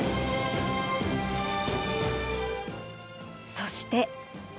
そして。